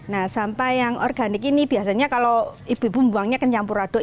nah sampah yang organik ini biasanya kalau ibu ibu membuangnya kecampur aduk